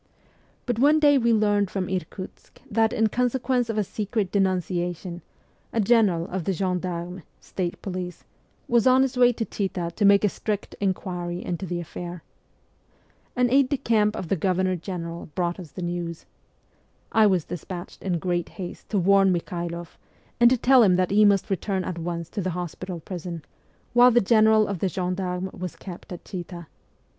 But one day we learned from Irkutsk that, in consequence of a secret denuncia tion, a General of the gendarmes (state police) was on his way to Chita to make a strict inquiry into the affair. An aide de camp of the Governor General brought us the news. I was despatched in great haste to warn Mikhailoff, and to tell him that he must return at once to the hospital prison, while the General of the gendarmes was kept at Chita.